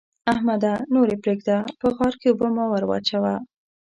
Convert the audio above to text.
احمده! نور يې پرېږده؛ په غار کې اوبه مه وراچوه.